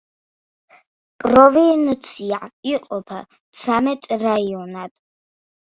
პროვინცია იყოფა ცამეტ რაიონად.